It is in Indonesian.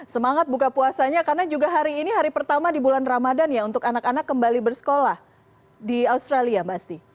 semangat buka puasanya karena juga hari ini hari pertama di bulan ramadan ya untuk anak anak kembali bersekolah di australia mbak asti